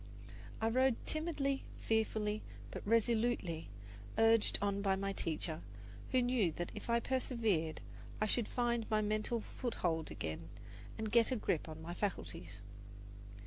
I wrote timidly, fearfully, but resolutely, urged on by my teacher, who knew that if I persevered, I should find my mental foothold again and get a grip on my faculties.